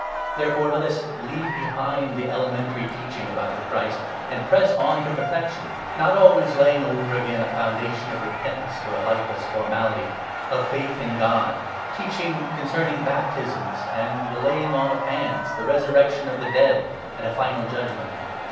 Therefore, let us leave I ( behind the elementary teaching about the Christ and press on to perfection, not always laying over again a foundation of repentance for a lifeless formality, of faith in God — teaching 2 concerning baptisms and the laying on of hands, the resurrec tion of the dead and a final judgement.